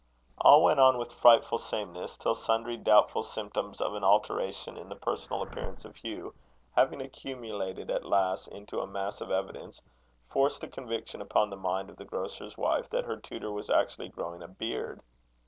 All went on with frightful sameness, till sundry doubtful symptoms of an alteration in the personal appearance of Hugh having accumulated at last into a mass of evidence, forced the conviction upon the mind of the grocer's wife, that her tutor was actually growing a beard.